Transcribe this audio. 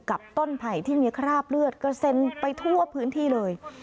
กับต้นไผ่ที่มีคราบเลือดกระเซ็นไปทั่วพื้นที่เลย